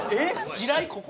地雷ここ？